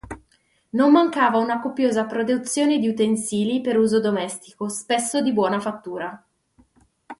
Non mancava una copiosa produzione di utensili per uso domestico, spesso di buona fattura.